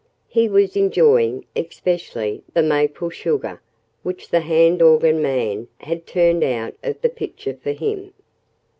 He was enjoying, especially, the maple sugar which the hand organ man had turned out of the pitcher for him.